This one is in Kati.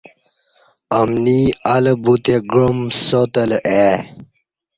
امنی اہ لہ بوتے گعام ساتلہ ای